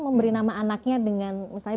memberi nama anaknya dengan misalnya